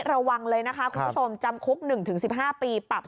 ระวังเลยนะคะคุณผู้ชมจำคุก๑๑๕ปีปรับ๒๐๐๐๐๓๐๐๐๐๐